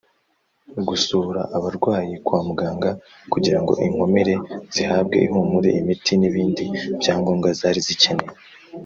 Gusura Abarwayi kwa Muganga kugira ngo inkomere zihabwe ihumure imiti n ibindi byangombwa zari zikeneye